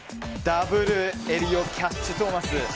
ダブルエリオキャッチトーマス。